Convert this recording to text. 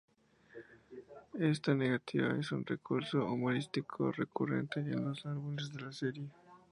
Esta negativa es un recurso humorístico recurrente en los álbumes de la serie.